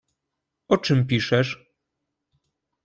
O czym piszesz?